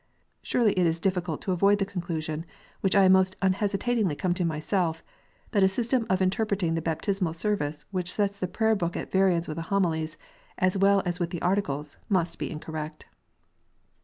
Surely it is difficult to avoid the conclusion which I most unhesitatingly come to myself, that a system of interpreting the Baptismal Service which sets the Prayer book at variance with the Homilies, as well as with the Articles, must be incorrect.